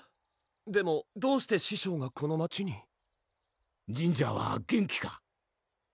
でもどうして師匠がこの町にジンジャーは元気か？